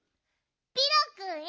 ピロくんへ。